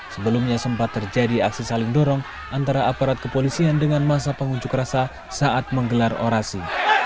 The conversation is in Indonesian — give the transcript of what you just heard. sebelumnya sempat terjadi aksi saling dorong antara aparat kepolisian dengan masa pengunjuk rasa saat menggelar orasi